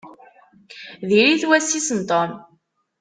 Diri-t wass-is n Tom.